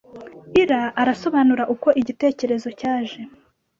Ira arasobanura uko igitekerezo cyaje.